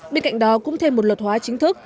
bên cạnh đó cũng thêm một luật hóa chính thức